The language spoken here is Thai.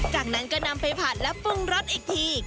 จากนั้นก็นำไปผัดและปรุงรสอีกที